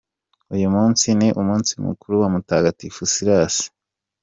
Uyu munsi ni umunsi mukuru wa Mutagatifu Silas.